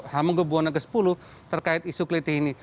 hamenggo buwone ke sepuluh terkait isu kliti ini